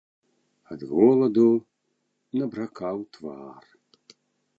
Ад голаду набракаў твар.